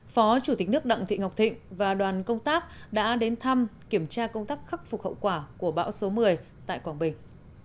phó chủ tịch nước đặng thị ngọc thịnh và đoàn công tác đã đến thăm kiểm tra công tác khắc phục hậu quả của bão số một mươi tại quảng bình